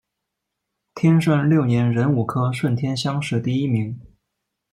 天顺六年壬午科顺天乡试第一名。